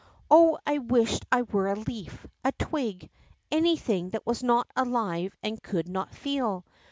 Oh, I wished I were a leaf, a twig, anything that was not alive and could not feel.